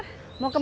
nah aku hampir vez